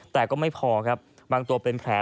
แต่ก็ไม่พอครับบางตัวเป็นแผล